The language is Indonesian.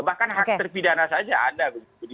bahkan hak terpidana saja ada